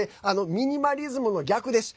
ミニマリズムの逆です。